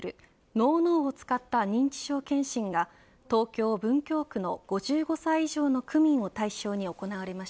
ＫＮＯＷを使った認知症検診が東京・文京区の５５歳以上の区民を対象に行われま